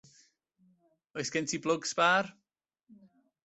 Oes gen ti blwg sbâr?